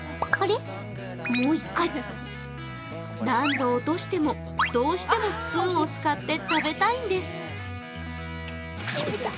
何度落としても、どうしてもスプーンを使って食べたいんです。